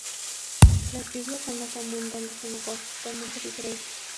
Las lluvias son más abundantes en la costa, con mucha diferencia.